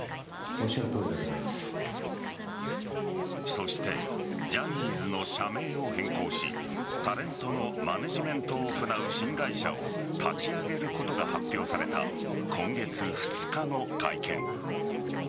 そしてジャニーズの社名を変更しタレントのマネジメントを行う新会社を立ち上げることが発表された今月２日の会見。